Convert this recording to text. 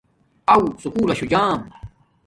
اَو سکُول لشو جام